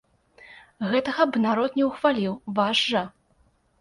Гэтага б народ не ўхваліў, ваш жа.